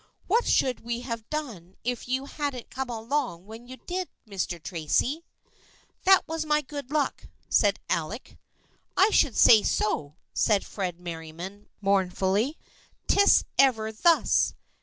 " What should we have done if you hadn't come along when you did, Mr. Tracy ?" "That was my good luck," said Alec. " I should say so," said Fred Merriam mourn fully. " 'Tis ever thus.